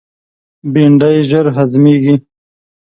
بېنډۍ ژر هضمیږي